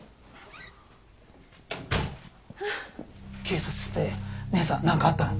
警察って姉さんなんかあったの？